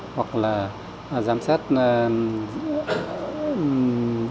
hoặc là giám sát biên giới